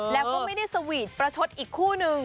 แล้วก็ไม่ได้สวีทประชดอีกคู่นึง